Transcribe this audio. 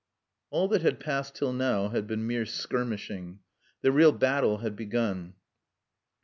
All that had passed till now had been mere skirmishing. The real battle had begun.